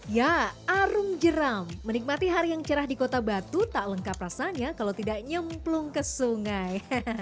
ya arung jeram menikmati hari yang cerah di kota batu tak lengkap rasanya kalau tidak nyemplung ke sungai